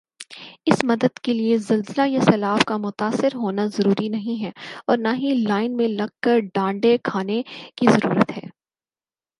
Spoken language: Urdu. اس مدد کیلئے زلزلہ یا سیلاب کا متاثر ہونا ضروری نہیں ھے اور نہ ہی لائن میں لگ کر ڈانڈے کھانے کی ضرورت ھے